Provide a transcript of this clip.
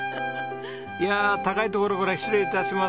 いやあ高い所から失礼致します。